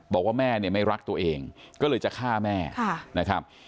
บอกว่าแม่เนี่ยไม่รักตัวเองก็เลยจะฆ่าแม่นะครับ